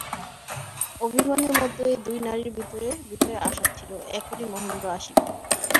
অভিমানেরমধ্যেও এই দুই নারীর ভিতরে ভিতরে আশা ছিল, এখনই মহেন্দ্র আসিবে।